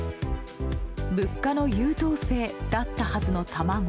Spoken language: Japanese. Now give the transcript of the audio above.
物価の優等生だったはずの卵。